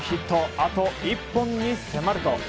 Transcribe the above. あと１本に迫ると。